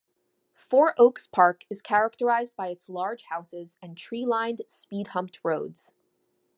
Four Oaks Park is characterised by its large houses and tree-lined, speed-humped roads.